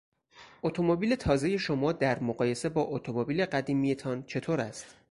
اتومبیل تازهی شما در مقایسه با اتومبیل قدیمیتان چطور است؟